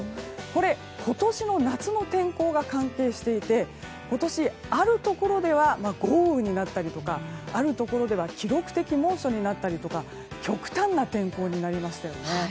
これ、今年の夏の天候が関係していて今年、あるところでは豪雨になったりとかあるところでは記録的猛暑になったりとか極端な天候になりましたよね。